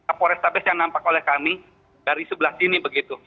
seperti kapol restabias yang nampak oleh kami dari sebelah sini begitu